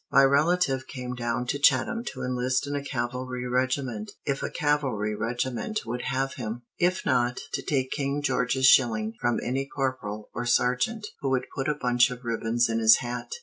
My relative came down to Chatham to enlist in a cavalry regiment, if a cavalry regiment would have him; if not, to take King George's shilling from any corporal or sergeant who would put a bunch of ribbons in his hat.